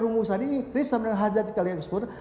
rumusan ini ris sama dengan hajat kali exposure